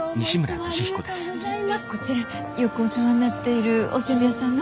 こちらよくお世話になっているお煎餅屋さんの。